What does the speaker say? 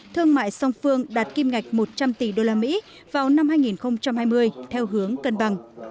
thương mại song phương đạt kim ngạch một trăm linh tỷ usd vào năm hai nghìn hai mươi theo hướng cân bằng